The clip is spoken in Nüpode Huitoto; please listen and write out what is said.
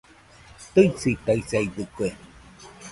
Tɨisitaisaidɨkue